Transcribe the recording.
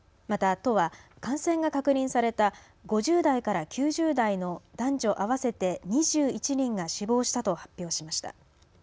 また、都は感染が確認された５０代から９０代の男女合わせて２１人が死亡したと発表しました。